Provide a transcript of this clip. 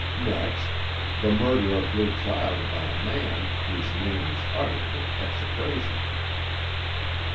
Next, the murder of your child by a man whose name is uttered with execration.